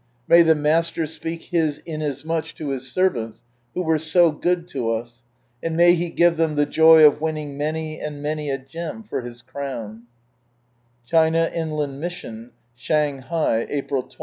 May the Master speak His Inasmuch to His servants who were so good to us, and may He give them the joy of winning many and many a gem for His Crown ■ China Inland Mission, Shanghai, April 20.